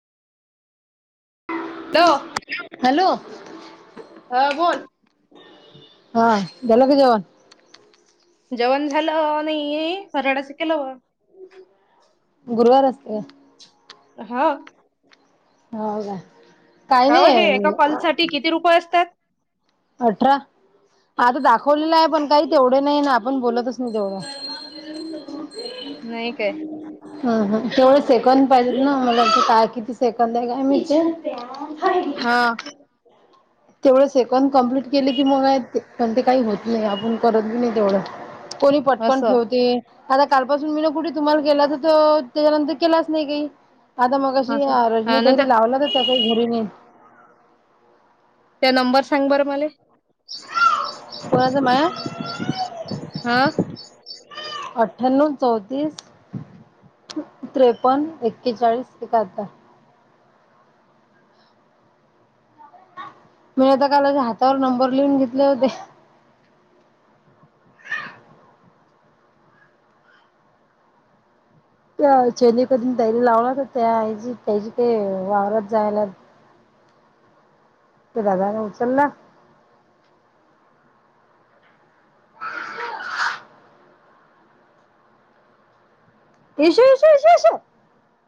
hello hello हा बोल हा गला क जवान जेवण झालं नाही हराडाचं केलं व गुरुवार असते हा हो का काही काव हे एका नाही कॉल साठी किती रुपये असतात आठरा आता दाखवलेलं आहे पण काही तेवढे नाही ना आपण बोलतच नाही तेवढं नाही काय ह ह तेवढं सेकंद पाहिजे ना मला क काय किती सेकंद आहे काय महीत हा तेवढं सेकंद कमप्लीट केले की मग आहेत तेपण ते काही होत नाही आपण करत बी नाही तेवढं कोणी पटकन असं ठेवते आता कालपासून मी ना कुठे तुम्हाला केला तर तो त्याच्यानंतर केलाच नाही काही आता मग अशी असं रजनी हा ना ताईला लावला तर त्या काही घरी ने त्या नंबर सांग बरं मले कोणाचं माया हा अट्ठायणो चवतीस त्रेपन्न एक्के चाळीस एका हत्तर मी आता काल हातावर नंबर लिहून घेतले होते घ त्या चेनी कून ताईल लावला त्याची काही वावरात जायला त्या दादा न उचला इशो इशो इशो इशू